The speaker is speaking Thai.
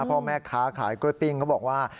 พ่อแม่ค้าขายกล้วยปิ้งเขาบอกว่า